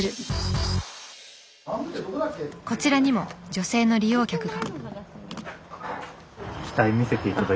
こちらにも女性の利用客が。